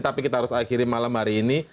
tapi kita harus akhiri malam hari ini